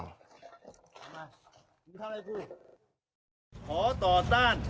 ขอต่อต้านขอต่อต้าน